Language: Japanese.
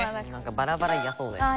バラバラいやそうだよね。